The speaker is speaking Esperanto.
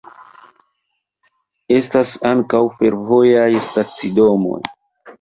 Estas ankaŭ fervojaj stacidomoj.